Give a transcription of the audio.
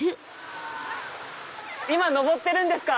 今登ってるんですか？